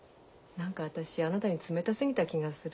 何か私あなたに冷たすぎた気がする。